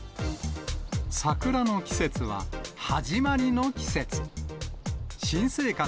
桜の季節ははじまりの季節。